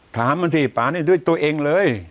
ถามมันสิป่านี่ด้วยตัวเองเลย